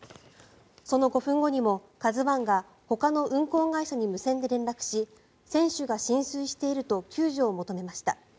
その５分後にも「ＫＡＺＵ１」がほかの運航会社に無線で連絡し船首が浸水していると救助を求めました。